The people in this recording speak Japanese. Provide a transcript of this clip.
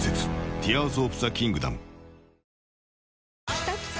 きたきた！